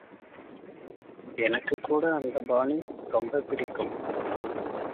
எனக்குக் கூட அந்தப்பாணி ரொம்பப் பிடிக்கும்.